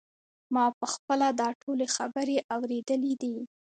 ما په خپله دا ټولې خبرې اورېدلې دي.